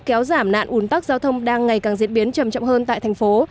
kéo giảm nạn ùn tắc giao thông đang ngày càng diễn biến chậm chậm hơn tại thành phố